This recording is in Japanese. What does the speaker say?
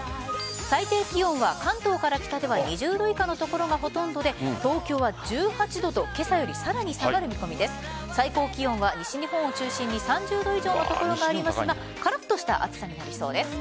最低気温は関東から北では２０度以下の所がほとんどで東京は１８度今朝よりさらに下がる見込みで最高気温は、西日本を中心に３０度以上の所がありますがカラッとした暑さになりそうです。